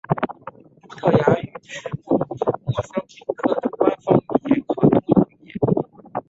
葡萄牙语是莫桑比克的官方语言和通用语言。